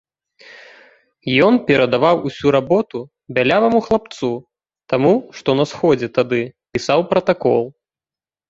Ён перадаваў усю работу бяляваму хлапцу, таму, што на сходзе тады пісаў пратакол.